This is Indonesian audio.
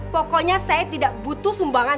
pokoknya saya tidak butuh sumbangan